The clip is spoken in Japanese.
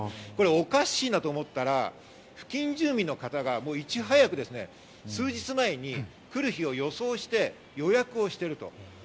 おかしいなと思ったら、付近住民の方がいち早く数日前に来る日を予想して予約していると。